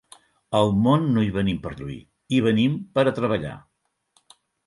Al món no hi venim per lluir, hi venim pera treballar